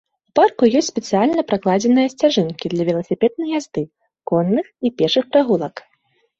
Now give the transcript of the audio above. У парку ёсць спецыяльна пракладзеныя сцяжынкі для веласіпеднай язды, конных і пешых прагулак.